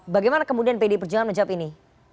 bagaimana kemudian pdi perjuangan menjawab ini